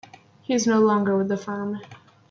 He is no longer with the firm.